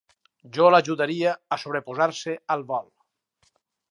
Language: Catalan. Jo l'ajudaria a sobreposar-se al vol!